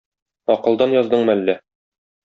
Акылдан яздыңмы әллә?